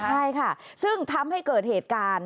ใช่ค่ะซึ่งทำให้เกิดเหตุการณ์